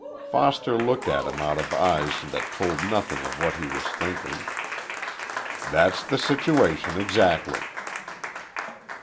Foster looked at him out of eyes that told nothing of what he was thinking. "That's the situation exactly."